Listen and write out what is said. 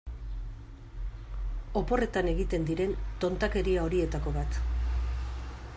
Oporretan egiten diren tontakeria horietako bat.